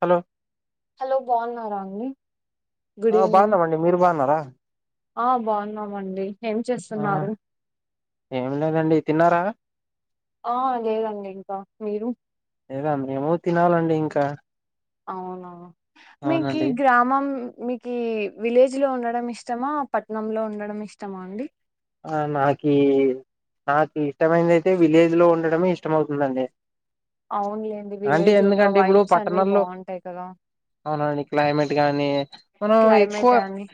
Hello hello బాన్నారా అండి good uh evening బాన్నామండి. మీరు బాన్నరా? ఆ బాగున్నమండి ఆ ఏం లేదండి. తిన్నారా? ఆ లేదండి ఇంక, మీరు? లేదా మేము తినాలండి ఇంక అవున మీకి గ్రామం మీకి విలేజ్ లో ఉండడం ఇష్టమా, పట్నంలో ఉండడం ఇష్టమా అండి? ఆ నాకి నాకి ఇష్టమైందైతే విలేజ్ లో ఉండడమే ఇష్టంమవుతుందండి. అవునులేండి విలేజ్ యొక్క వైబ్స్ అన్ని పట్టణాల్లో బాగుంటాయి కదా. అవునండి క్లైమేట్ గానీ మనం ఎక్కువ క్లైమేట్ అని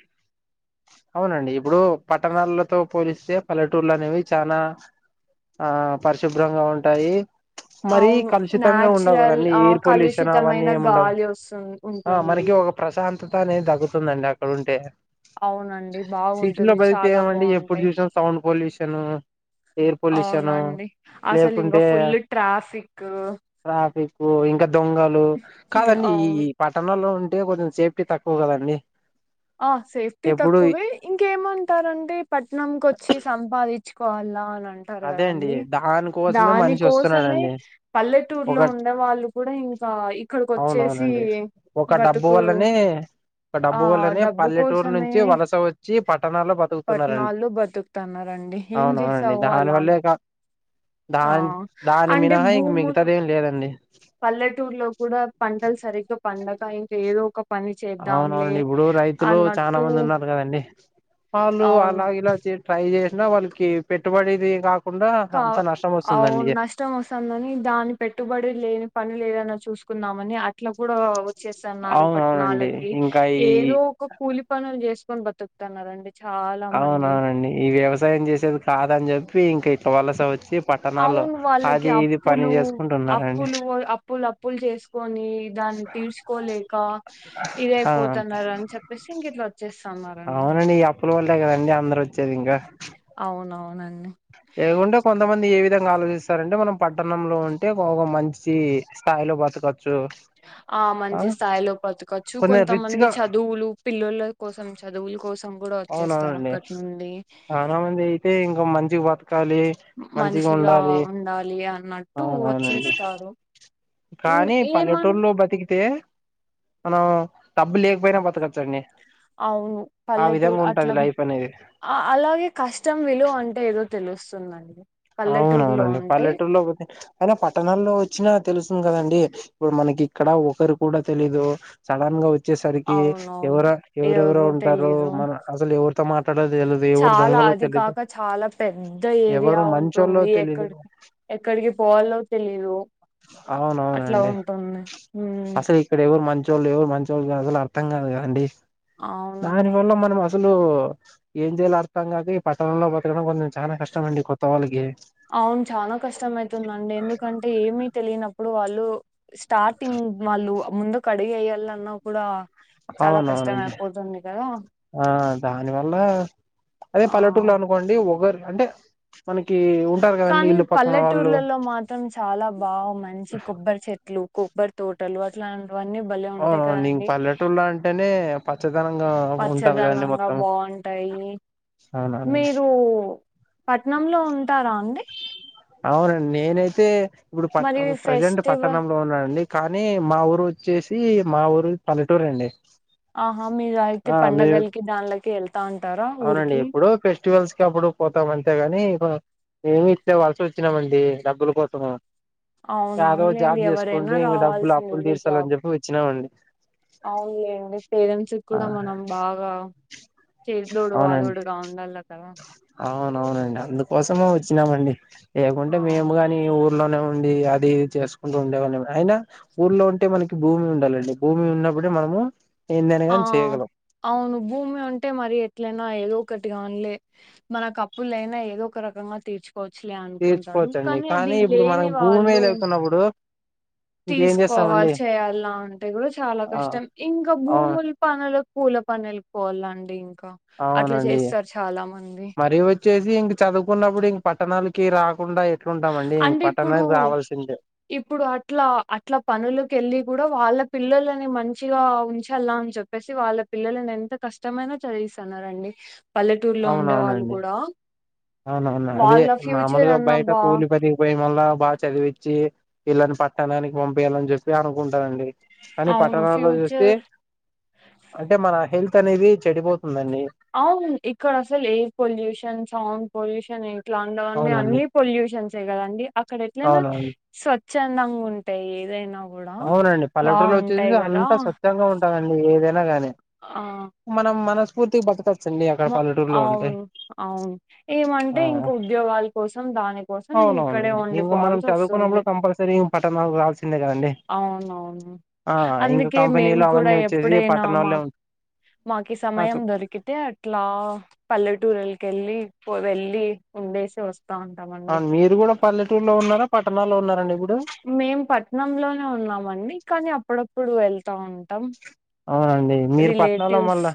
అవునండి ఇప్పుడు పట్టణాల్లో తో పోలిస్తే పల్లెటూర్లు అనేవి చాన ఆ పరిశుభ్రంగా ఉంటయి. మరీ అవును కలుషితంగా ఉండవు నాచురల్ కదండి, ఆ ఎయిర్ పొల్యూషన్ అవన్నీ కలుషితమైన ఏమి ఉండవ్. గాలి వస్తు ఆ ఉంటుంది మనకి ఒక ప్రశాంతత అనేది దగుతుందండి అక్కడంటే అవునండి బాగుంటుంది చాలా బా ఏమండి ఎప్పుడు చూసినా సౌండ్ పొల్యూషను అవునండి. అసలు ఇంగ లేకుంటే ఫుల్ ట్రాఫిక్ ట్రాఫిక్, ఇంక దొంగలు కాదండి అవును ఈ పట్టణంలో ఉ టే కొంచెం సేఫ్టీ తక్కువ కదండి ఆ సేఫ్టీ ఎప్పుడు తక్కువే, ఇంకేమంటారంటే పట్నం కొచ్చి సంపాది దిచుకోవాలా అన అంటారు అదే కదా అండి దాని కోసమే మనిషి దానికోసమే వస్తున్నాడండి ఒక పల్లెటూరులో ఉండే వాళ్ళు కూడా ఇ అవునవునండి ఒక డబ్బు బతుకు వల్లనే ఆ! డబ్బు వల్లనే డబ్బు పల్లెటూరు కోసమే నుంచి వలస వచ్చి పట్టణాల్లో బతుకుతున్నారండి పట్టణాల్లో బతుకుతన్నారండి. ఏం అవునవునండి జేసావు దాని అలా అని- వల్లే క ఆ అంటే ఇంక భూములు మిగతాది ఏం లేదండి పల్లెటూర్లో కూడా పంటలు సరిగ్గా పండగ ఇంకా ఏదో ఒక పని చేద్దాంలే అవునవునండి ఇప్పుడు రైతులు చాలా అన్నట్టు మంది ఉన్నరు కదండి వాళ్ళు అవును. అలా ఇలా చే ట్రై చేసినా వాళ్ళకి పెట్టుబడిది కా కా అవును నష్టం వస్తుందని దాని పెట్టుబడి లేని పనులు ఏదన్న చూసు కుందామని అట్ అట్ల కూడా వచ్చేస్తన్నారు అవునవునండి పట్నాలకి ఇంకా ఈ ఏదో ఒక కూలి పనులు చేస్ కొన్ బతుక్తాన్నరండి అవునవునండి ఈ వ్యవసాయం చేసేది కాదని చెప్పి ఇంక వలస వచ్చి పట్టణాల్లో అవును వాళ్ళకి అది ఇది పని అప్పులు చేసుకుంటున్నరంండి స్కొని దాన్ని తీర్చుకోలేక ఆ ఇదయిపోతన్నారు అని చెప్పేసి ఇంక ఇట్ల వచ్చేస్ స్తున్నారండి అవునండి ఈ అప్పుల వల్లే కదండి అందరు వచ్చేది ఇంగ అవునవునండి ఎ ముండే కొంతమంది ఏ విధంగా ఆలోచిస్తారంటే మనం పట్టణంలో ఉంటే ఒక మంచి స్థాయిలో బతకచ్ ఆ మంచి స్థాయిలో బ్రతకొచ్చు కొంచెం రిచ్ కొంతమంది గా చదువులు పిల్లల కోసం చదువుల కోసం కూడా అవునా వచ్చేస్తారు అండి అక్కడి నుండి చానా మంది అయితే ఇంకా మంచి బత ఎక్కాలి మంచిగా ఉండాలి ఉండాలి అన్నట్టు అవును అవును అండి వచ్చేస్తారు ఉమ్, కానీ ఏమన్ పల్లెటూరులో బతికితే మనం డబ్బు లేకపోయినా బతకచ్చండి అవును ఆ విధంగా పల్లెటూరు ఉంటది అట్లం లైఫ్ అనేది అలాగే కష్టం విలువ అంటే ఏదో తెలుస్తుందండి అవును అవును పల్లెటూరులో అండి ఉంటే పల్లెటూరిలో పోతే అయినా పట్ లోనా వచ్చినా తెలుస్తుంది కదండి ఇప్పుడు మనకి ఇక్కడ ఒక్కరు కూడా తెలియదు సడన్ గా వ వచ్చేసరికి అవునవును ఎవరో ఎవరెవరో ఎవరు ఉంటారు తెలీదు మన అసలు ఎవరితో మాట్లాడాలో తెలదు ఎవరు చాలా దొంగల అది కాక చాలా పెద్ద ఏరియా ఎవరు ఉన్ మంచోళ్ళో ఉంది తెలీదు ఎక్కడికి ఎక్కడికి పోవాలో తెలీదు అట్ల అవునవునండి ఉంటుంది హు ఇప్పుడు మంచోళ్ళు ఎవరు మంచోళ్ళు అసలు అర్థం కాదు గాండి అవునండి దాని వల్ల మనం అసలు ఏం చేయాల అర్థం కాక ఈ పట్టణంలో బ్రతకడం కొంచెం చాలా కష్టమండి కొత్త వాళ్ళకి అవును చాలా కష్టం అయితుందండి ఎందుకంటే ఏమి తెలియనప్పుడు వాళ్ళు స్టార్టింగ్ వాళ్ళు ముందుకు అడిగు వేయాలన్నా కూడా చాలా అవును అవును కష్టం అండి అయిపోతుంది కదా ఆ దానివల్ల అదే ఆ పల్లెటూరిలో అనుకోండి అనుకోండి ఒకరు అంటే మనకి ఉంటారు కదండి కానీ ఇల్లు పక్కన వాళ్ళు పల్లెటూర్లలో మాత్రం చాలా బాగు మంచి కొబ్బరి చెట్లు కొబ్బరి తో టలు అట్లాంటివన్నీ భలే ఉంటాయి కదా అవునవును ఇంక అండి పల్లెటూళ్లో అంటేనే పచ్చదనంగా ఉంటది కదండి పచ్చదనంగా మొత్తం బాగుంటాయి అవునవునండి మీరు పట్నంలో ఉంటారా అండి అవును అండి నేనైతే ఇప్పుడు పట్ మరి ప్రజెంట్ ఫెస్టివల్ పట్టణంలో ఉన్నానండి కానీ మా ఊరు వచ్చేసి మా ఊరు పల్లెటూరు అండి ఆహా మీరు అయితే ఆ మేము పండగలకి దానిలకి వెళ్తా ఉంటారా అవునండి ఊరికి ఫెస్టివల్స్ కి అప్పుడు ఎప్పుడో పోతాం అంతేగాని మీము ఇట్లే వలస వచ్చినామండి డబ్బుల కోసము యాదో అవునవునులేండి జాబ్ ఎవరైనా చేసుకోండి ఇంక డబ్బులు అప్పులు రావాల్సింది జాబ్ తీర్సాలని చెప్పి వచ్చినా మన్ అవునులేండి పేరెంట్స్ కి కూడా మనం బాగా చేదోడు వాదోడుగా ఉండాలా కదా అవును అవును అండి అందుకోసమే వచ్చినామండి ఆ లేకుంటే మేము కాని ఊరు ఊర్లోనే ఉండి అది ఇది చేసుకుంటు ఉండే వాని అయినా ఊర్లో ఉంటే మనకి భూమి ఉండాలండి భూమి ఉన్న ఇప్పుడే మనము ఏందని ఆ కాని చేయగలం అవును భూమి ఉంటే మరి ఇట్ల అయినా ఏదో ఒకటి గానీలే మన కప్పులు అయినా ఏదో ఒక రకంగా తీర్చు కోచ్చులే అనుకుంటారు తీర్చుకోవచ్చండి కానీ అది ఇప్పుడు లేని మనకు భూమే వాళ్ళు లేకున్నప్పుడు ఇంకేం తీసుకోవాలి చేస్తామండి చెయ్యాలా అంటే కూడా చాలా ఆ కష్టం ఇంకా అవును భూములు పనులు ఊర్లో పనులు కు వెళ్ళిపోవాల అండి ఇంకా అట్ల అవునండి చేస్తారు చాలా మంది ఇది ఇంక చదువుకున్నప్పుడు ఇంక పట్టణాలకి రాకుండా ఎట్లుంటాం అండి ఇంక అంటే ఇప్పుడు పట్టణానికి రావాల్సిందే ఇప్పుడు అట్ల అట్ల పనులుకి వెళ్ళి కూడా వాళ్ళ పిల్లలని మంచిగా ఉంచల్లా అని చెప్పేసి వాళ్ళ పిల్లలని ఎంత కష్టమైనా చదివిస్తున్నారండి పల్లెటూరులో ఉండే వాళ్ళు కూడా అవును అవును అదే వాళ్ళ ఫ్యూచర్ మామూలుగా బయట అన్నాబ్బా కూలి పనికి పోయి మల్ల బాగా చదివిచ్చి పిల్లల్ని పట్టణానికి పంపియాలని చెప్పి అనుకుంటారు అండి కానీ అవును పట్టణాల్లో చూస్తే, ఫ్యూచర్ అంటే మన హెల్త్ అనేది చెడిపో అవును ఇక్కడసలు ఎయిర్ పొల్యూషన్, సౌండ్ పొల్యూషన్ ఎ ఇట్లాంటివన్నీ అవునండి అన్ని పొల్యూషన్సే కదండి! అక్కడ ఎట్లయినా అవునవును సోచ్ చందంగుంటాయి ఏదైనా గూడా అవునండి. పల్లెటూళ్లో వచ్చేసి బావుంటాయి గదా అంతా స్వచ్ఛంగా ఉంటాదండి. ఏదైనా గానీ, మనం మనస్ఫూర్తిగ బతక మో అవును. అవును. ఏమంటే, ఇంక ఉద్యోగాల కోసం, దాని కోసం అవునవునండి. ఇంక మనం చదువుకున్నప్పుడు కంపల్సరీ ఇం పట్టణాలకి రావాల్సిందే కదండి! అవునవును. ఆ ఇంక అందుకే మేము కంపెనీలు కూడ అవన్నీ వచ్చేసి ఎప్పుడైనా, పట్టణాల్లో మాక్ ఉం మాకి ఆ సమయం చెప్ దొరికితే, అట్ అట్లా పల్లెటూరులకి వెళ్ళి పో వెళ్ళలి ఉండేసి వస్ ఆ మీరు కూడా పల్లెటూరులో ఉన్నారా పట్టణాలో ఉన్నారండి ఇప్ మేం పట్నంలోనే ఉన్నామండి కానీ అప్పుడప్పుడు వెళ్ అవునండి. మీరు పట్టణాల్లో రిలేటివ్స్ మళ్ళా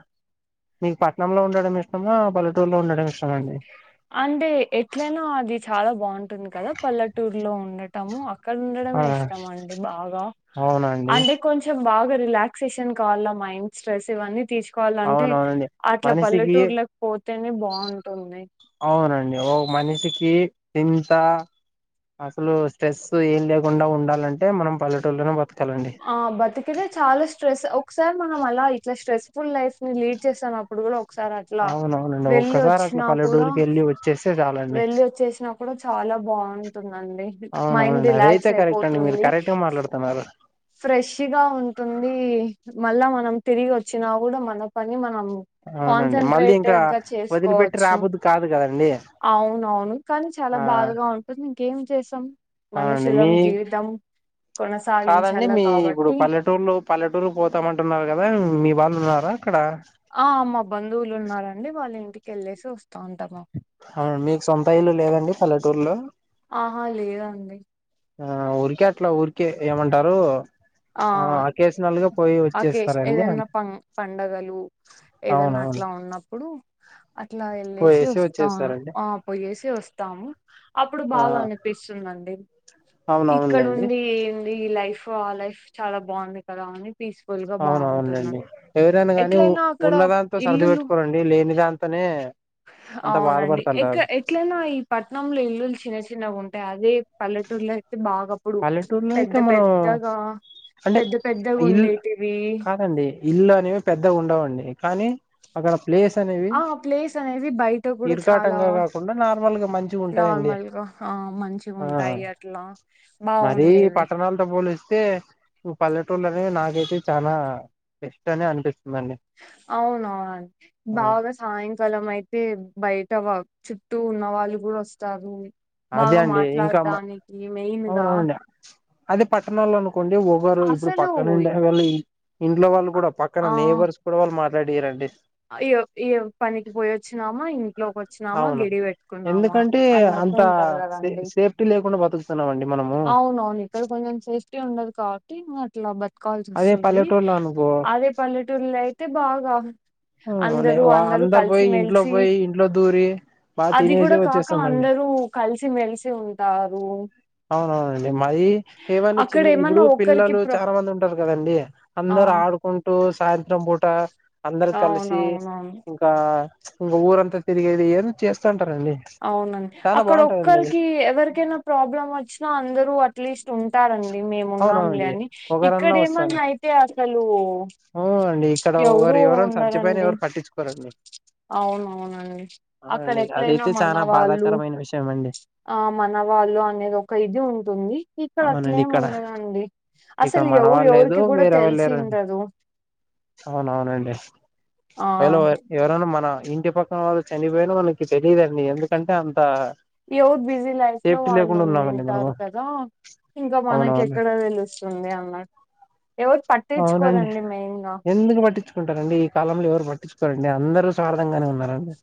మీకు పట్నంలో ఉండడం ఇష్టమా? పల్లెటూరులో ఉండడం ఇష్ అంటే, ఎట్లనో అది చాల బాగుంటుంది కదా! పల్లెటూరులో ఉండటము. అక్కడ ఆ ఉండడమే ఇష్టం అండి బాగ. అవునండి అంటే కొంచెం, బాగ రిలాక్సేషన్ కావల్ల మైండ్ స్ట్రెస్ ఇవన్నీ తీర్చు కొల్లంటే, అవునవునండి అట్ల మనిషికి పల్లెటూర్లకి పోతేనే బాంటది. అవునండి. ఓ మనిషికి చింత అసలు స్ట్రెస్ ఏం లేకుండా ఉండాలంటే, మనం పల్లెటూళ్ళనే బతక్ ఆ బతికితే చాలస్ స్ట్రెస్ ఒకసారి మనం అలా ఇట్ల స్ట్రెస్ఫుల్ లైఫ్ ని లీడ్ చేస్తున్నప్పుడు కూడ ఒకసారి అట్లా అవునవునండి వెళ్లి ఒక్కసారి అట్లా వచ్చినా కూడా! పల్లెటూరుకి వెళ్ళి వచ్చేస్తే చాలండి వెళ్లొచ్చేసిన కూడ చాలా బాగుంటుందండి. మైండ్ రిలాక్స్ అయిపోతుంది. టె మాట్లాడతన్నారు. ఫ్రెష్గా ఉంటుంది. మళ్ళా మనం తిరిగి వచ్చినా కూడ మన పని మన్ నం అవునండి మళ్ళీ ఇంకా కాన్సెంట్రేటెడ్ గా వదిలిపెట్టి చేసుకోవచ్చు. రాబుద్దు కాదు కదండి అవునవును. కానీ, చాలా ఆ బాధగా ఉంటుంది. ఇంకేం చేస్తాం? అవునండి మనుషులం. మీ జీవితం. కాదండి. కొనసాగించాల మీ ఇప్పుడు కాబట్టి పల్లెటూర్లో పల్లెటూరు పోతామంటున్నారు కదా! మీ వాళ్ ఉన్నారా? అక్కడ ఆ మా బంధువులు ఉన్నారండి. వాళ్ళ ఇంటికి వెళ్ళేసి వస్ వస్తాంటాము. అవున! మీకు సొంత ఇల్లు లేదండి పల్లెటూరులో? ఆహా లేదండి. ఆ ఊరికే అట్లా ఊరికే, ఏమంటారు ఆ అకేషనల్ గా పోయి ఆకేష్ వచ్చేస్తారండి అ ఏదన్న పం పండగలు ఏదన్నా అవునవును అట్ల ఉన్నప్పుడు, అట్లా ఎళ్ళేసి పోయేసి వస్తా. వచ్చేస్తారండి ఆ పొయ్యేసి వస్తాము. అప్పుడు ఆ బాగ అనిపిస్తున్ అండి ఇక్కడ అవునవునులేండి ఉండి ఏంది ఈ లైఫ్ ఆ లైఫ్ చాలా బాంది కదా అని పీస్ఫుల్ గా బాంటుందన్, అవునవునులేండి ఎవరైనా గాని ఎట్లయినా అక్కడ ఉన్నదాంతో సర్ది ఇల్లులు పెట్టుకోరండి లేని దాంతోనే అంత అవునండి. ఎక్క బాధపడుతంటారు ఎట్లైనా, ఈ పట్నంలో ఇల్లులు చిన్న చిన్నగా ఉంటాయి అదే, పల్లెటూర్లో అయితె బాగా అప్పుడు పల్లెటూరులో అయితే పెద్ద మనం పెద్దగా అంటే, పెద్ద పెద్దగా ఇల్ ఉండేటివి కాదండి. ఇల్లు అనేవి పెద్దగున్ ఉండవండి కానీ, అక్కడ ప్లేస్ అనేవి ఆ ప్లేస్ అనేది బయట కూడా చాలా ఇరుకాటంగా కాకుండా, నార్మల్గా మంచిగా ఉంటాయండి. నార్మల్గా ఆ ఆ మంచిగుంటాయి అట్లా మరీ బాగుండేవి పట్టణాలతో పోలిస్తే, ఇం పల్లెటూళ్ళనే నాకైతే, చాన బెస్ట్ అనే అనిపిస్ అవునా! ఆ, బాగ సాయంకాలం అయితే బయట వ చుట్టూ ఉన్న వాళ్ళు కూడ వస్తారు. అదే బాగా అండి ఇంకా మ- మాట్లాడడానికి మెయిన్గా అవునవునండి అదే పట్టణోళ్ అను కుండి ఒకరు ఇప్పుడు అసలు పక్కనుండే వాళ్ళవి ఇంట్లో వాళ్ళు కూడా పక్కన నేబర్స్ కూడా వాళ్ళు మా రెడీ రండి అయో ఇయో పనికి పోయి వచ్చినామా ఇంట్లోకి వచ్చినామా అవును గడి పెట్టుకున్నామా ఎందుకంటే అన్నట్టు అంత తరు సే కదండి సేఫ్టీ లేకుండా బతుకుతున్నామండి మనము అవునవును ఇక్కడ కొంచెం సేఫ్టీ ఉండదు కాబట్టి ఇట్లా బతకాల్సి అదే వస్తుంది పల్లెటూరులో అనుకో అదే పల్లెటూరులో అయితే బాగా నే అందరూ వా అందరూ అందరు కలిసి పోయి ఇంట్లో మెలిసి పోయి ఇంట్లో దూరి బాగా అది తినేసి కూడా కాక వచ్చేస్తామండి అందరూ కలిసి మెలిసి ఉంటా ఆ అండి మాది ఏవన్న అక్కడ చిన్న ఇప్పుడు ఏమన్నా ఒకరికి పిల్లలు ప్ర చాలా మంది ఉంటారు కదండి అంద ఆ అందరు ఆడుకుంటూ సాయంత్రం పూట అందరు కలిసి అవునవునవును ఇంకా ఉ ఊరంతా తిరిగేది ఏదన్న చేస్తా అవునండి అక్కడ అది ఒక్కరికి ఎవరికైనా ప్రాబ్లం వచ్చినా అందరూ అట్లీస్ట్ ఉ మే మేము ఉన్నాంలే అవునవునండి అని ఇక్కడ ఒకరన్నా వస్తారు ఏమన్నా అయితే అసలు అవునండి ఇక్కడ ఎవరూ వోరు ఎవరని సచ్చిపోయిన ఎవరు పట్టించుకోరండి అవును అవునండి అక్కడ అవునండి ఎట్లైనా అదైతే మన్నా చానా వాళ్ళు బాధాకరమైన విషయం అండి ఆ మనవాళ్ళు అనేది ఒక ఇది ఉంటుంది ఇక్కడ అవునండి అట్లేం ఇక్కడ అండి ఇక్కడ అసలు ఎవరు మనవాళ్ళు లేదు ఎవరికి కూడా వేరే వాళ్ళు లేరండి తెలిసిండదు అవునవునండి ఆ వేళ ఎవరైనా మన ఇ టి పక్కన వాళ్ళు చనిపోయిన మనకి తెలీదండి ఎందుకంటే అంత ఎవరు బిజీ లైఫ్ లో సేఫ్టీ వాళ్ళు లేకుండా ఉన్నామండి మనము ఉన్నింటారు కదా ఇంకా మనకి అవునవును ఎక్కడ తెలుస్తుంది అన్నా అవునండి గా ఎందుకు పట్టించుకుంటారండి ఈ కాలంలో ఎవరు పట్టించుకోవాలండి అందరు సార్ దంగానే ఉన్నారండి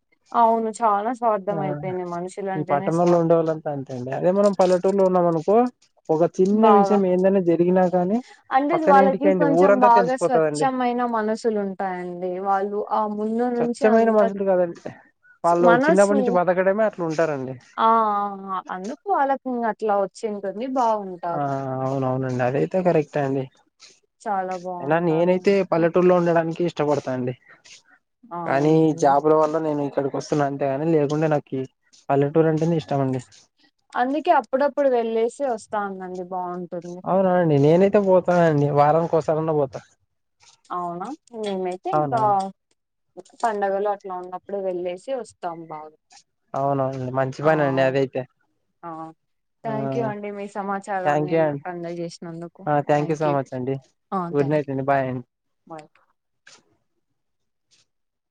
అవును చాలా స్వార్థం ఆ అయిపోయింది మనుషులు ఈ అంటేనే స్వా పట్టణంలో ఉండేవాళ్ళంతా అంతే అండి అదే మనం పల్లెటూరులో ఉన్నాం అనుకో ఒక చిన్న బాగా విషయం ఏందైనా జరిగినా కానీ అంటే పక్కన వాళ్ళకి ఇంటికైంది కొంచెం ఊరంతా బాగా తెలిసిపోతదండి స్వచ్ఛమైన మనసులు ఉంటాయండి వాళ్ళు ఆ ముందు నుంచి స్వచ్ఛమైన అంత మనుషులు కదండి వాళ్ళు మనసు చిన్నప్పటి నుంచి బతకడమే అట్లా ఉంటారండి ఆ ఆ అందుకు వాళ్ళకు ఆ అవునవును ఇంగ అదైతే కరెక్టే అండి చాలా ఐనా బాగుంటారు నేనైతే పల్లెటూరులో ఉండడానికి ఇష్ ఇష్టపడతాండి కానీ అవునండి జాబుల వల్ల నేను ఇక్కడ వస్తున్నా అంతేగాని లేకుండా నాకి పల్లెటూరు అంటేనే ఇష్ అందుకే అప్పుడప్పుడు వెళ్ళేసి వస్తా ఉందండి బాగుం అవునానండి నేనైతే పోతాన అండి వారానికి కోసారన్నా పోతా అవునా మేమైతే ఇంకా అవునవును పండగలు అట్లా ఉన్నప్ అప్పుడు వెళ్లేేసి వస్తాం బాగా అవునవునండి మంచి పని అండి అదైతే అ ఆ థ్యాంక్ యూ అండి మీ థ్యాంక్ సమాచారాన్ని యూ అండి నాకు అందజేసినందుకు థ్యాంక్ సో యూ మచ్ అండి గుడ్ నైట్ అండి బాయ్ బై